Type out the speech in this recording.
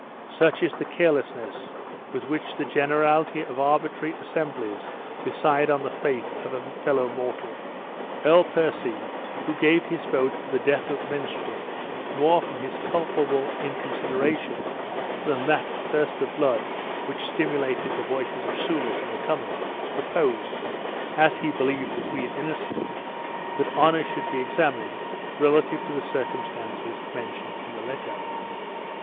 Such is the carelessness with which the generality of arbitrary assemblies decide on the fate of a fellow mortal! Earl Percy, who gave his vote for the death of the minstrel more from this culpable inconsideration than that thirst of blood which stimulated the voices of Soulis and the Cummins, proposed as he believed the queen innocent that honor should be examined relative to the circumstances mentioned in the letter.